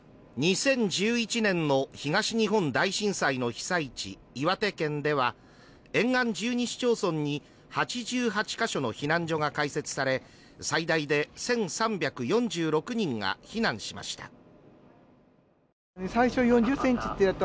２０１１年の東日本大震災の被災地、岩手県では、沿岸１２市町村に８８カ所の避難所が開設され、最大で１３４６人が避難しました。